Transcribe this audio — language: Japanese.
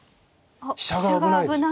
飛車が危ないでしょ。